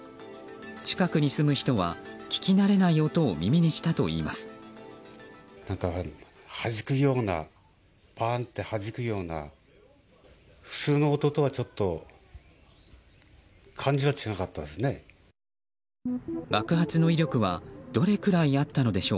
近くに住む人は聞き慣れない音を耳にしたといいます。